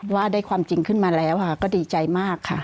ว่าได้ความจริงขึ้นมาแล้วก็ดีใจมากค่ะ